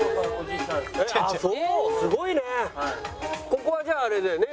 ここはじゃああれだよね？